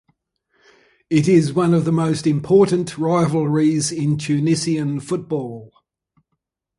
It is one of the most important rivalries in Tunisian football.